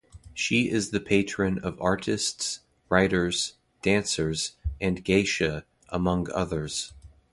She is the patron of artists, writers, dancers, and geisha, among others.